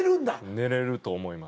寝れると思います。